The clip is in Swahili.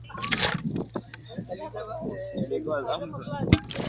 Tupende familia zetu